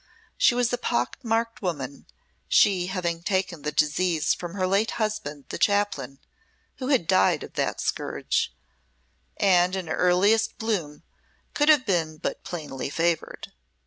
She was a pock marked woman (she having taken the disease from her late husband the Chaplain, who had died of that scourge), and in her earliest bloom could have been but plainly favoured.